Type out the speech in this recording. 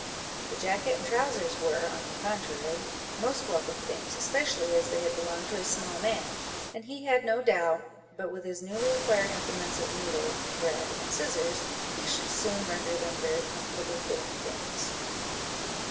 The jacket and trowsers were, on the contrary, most welcome things, especially as they had belonged to a small man; and he had no doubt, but with his newly acquired implements of needle, thread, and scissors, he should soon render them very comfortable fitting things.